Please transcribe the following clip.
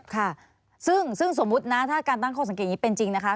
ค่ะซึ่งสมมุตินะถ้าการตั้งข้อสังเกตอย่างนี้เป็นจริงนะคะ